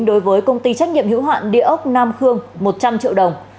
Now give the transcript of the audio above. đối với công ty trách nhiệm hữu hạn địa ốc nam khương một trăm linh triệu đồng